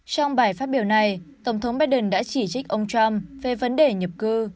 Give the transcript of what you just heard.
trong bài phát biểu này tổng thống biden đã chỉ trích ông trump về vấn đề nhập cư